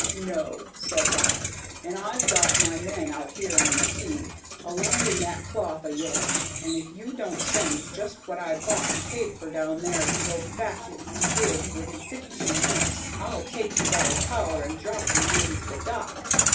'No,' says I, 'and I've got my men out here on the quay a landing that cloth o' yourn, and if you don't send just what I bought and paid for down there to go back in the gig within fifteen minutes, I'll take ye by the collar and drop ye into the dock.'